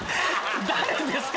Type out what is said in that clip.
誰ですか？